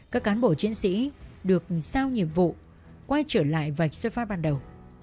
các cán bộ chiến sĩ được sao nhiệm vụ quay trở lại vạch xuất phát ban đầu